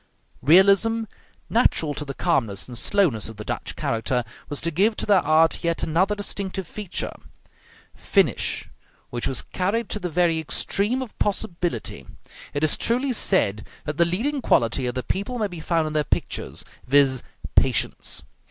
Realism, natural to the calmness and slowness of the Dutch character, was to give to their art yet another distinctive feature, finish, which was carried to the very extreme of possibility. It is truly said that the leading quality of the people may be found in their pictures; viz., patience.